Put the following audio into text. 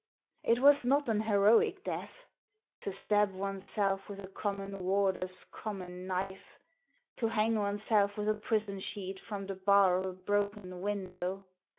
It was not an heroic death — to stab oneself with a common warder's common knife, to hang oneself with a prison sheet from the bar of a broken window.